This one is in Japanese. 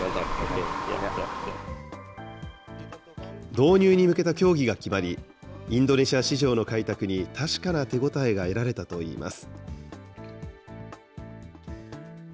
導入に向けた協議が決まり、インドネシア市場の開拓に確かな手応えが得られたといいます。